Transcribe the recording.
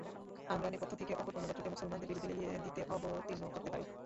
আমরা নেপথ্যে থেকে অপর কোন গোত্রকে মুসলমানদের বিরুদ্ধে লেলিয়ে দিতে অবতীর্ণ করতে পারি।